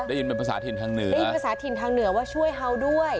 ได้ยินเป็นภาษาถิ่นทางเหนือว่าช่วยเขาด้วย